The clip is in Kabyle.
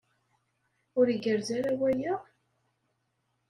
Ur igerrez ara waya?